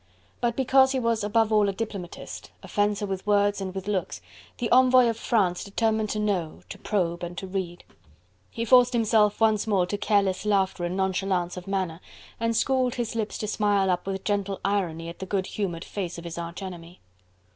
But because he was above all a diplomatist, a fencer with words and with looks, the envoy of France determined to know, to probe and to read. He forced himself once more to careless laughter and nonchalance of manner and schooled his lips to smile up with gentle irony at the good humoured face of his arch enemy.